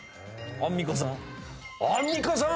アンミカさん！？